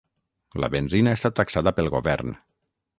La benzina està taxada pel Govern.